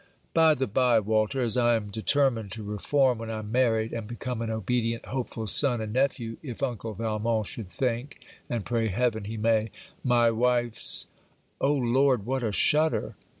By the bye, Walter, as I am determined to reform when I'm married, and become an obedient hopeful son and nephew, if uncle Valmont should think (and pray heaven he may) my wife's Oh, lord, what a shudder!